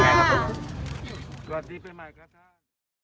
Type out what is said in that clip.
แล้วเราจะห้ามคนไปบ่อนยังไงครับ